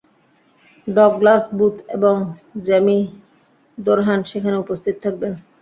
Douglas Booth এবং Jamie Dornan সেখানে উপস্থিত থাকবেন।